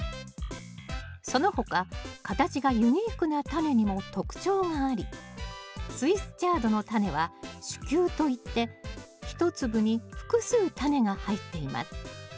その他形がユニークなタネにも特徴がありスイスチャードのタネは種球といって一粒に複数タネが入っています。